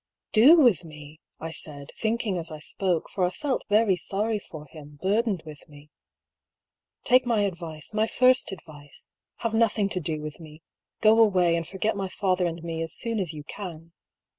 ^" Do with me ?" I said, thinking as I spoke ; for I felt very sorry for him, burdened with me. " Take my advice, my first advice : have nothing to do with me. Go away, and forget my father and me as soon as you can."